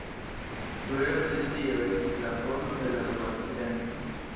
Ĉu eble tio estis la fono de la du akcidentoj?